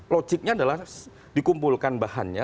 logiknya adalah dikumpulkan bahannya